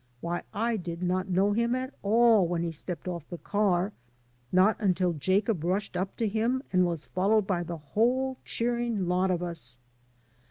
Why, I did not know him at all when he stepped off the cat, not until Jacob rushed up to him and was followed by the whole cheering lot of us.